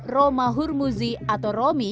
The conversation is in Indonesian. romah hurmuzi atau romi